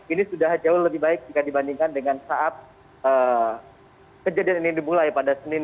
ini sudah jauh lebih baik jika dibandingkan dengan saat kejadian ini dimulai pada senin